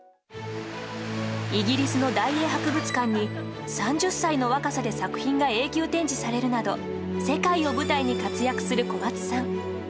イギリスの大英博物館に３０歳の若さで作品が永久展示されるなど世界を舞台に活躍する小松さん。